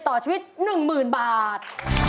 ขอบคุณครับ